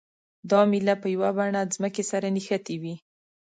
دا میله په یوه بڼه ځمکې سره نښتې وي.